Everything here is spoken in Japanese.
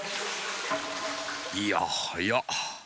いやはや。